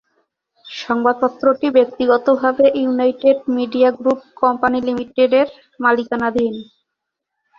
সংবাদপত্রটি ব্যক্তিগতভাবে United Media Group Co লিমিটেডের মালিকানাধীন।